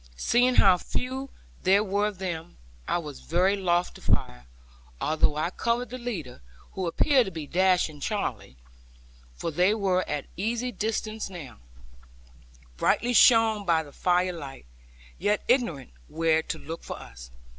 Seeing how few there were of them, I was very loath to fire, although I covered the leader, who appeared to be dashing Charley; for they were at easy distance now, brightly shone by the fire light, yet ignorant where to look for us.